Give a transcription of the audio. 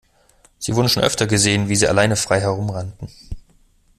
Sie wurden schon öfter gesehen, wie sie alleine frei herum rannten.